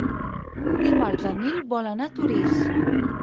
Dimarts en Nil vol anar a Torís.